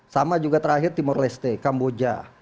sama juga terakhir timor leste kamboja